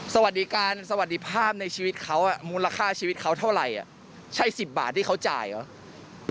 สวัสดีการสวัสดีภาพในชีวิตเขามูลค่าชีวิตเขาเท่าไหร่อ่ะใช่๑๐บาทที่เขาจ่ายเหรอ